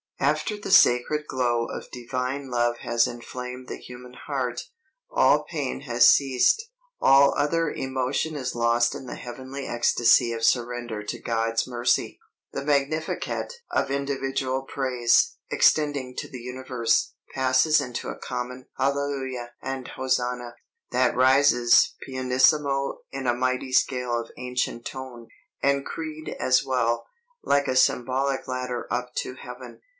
After the sacred glow of divine love has inflamed the human heart, all pain has ceased, all other emotion is lost in the heavenly ecstasy of surrender to God's mercy. The Magnificat of individual praise, extending to the universe, passes into a common Hallelujah and Hosanna, that rises pianissimo in a mighty scale of ancient tone, and creed as well, like a symbolic ladder up to heaven.